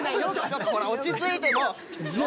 ちょっとほら落ち着いて。